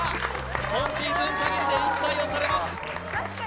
今シーズン限りで引退をされます。